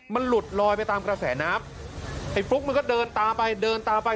มันหลุดลอยไปตามกระแสน้ำไอ้ฟลุ๊กมันก็เดินตามไปเดินตามไป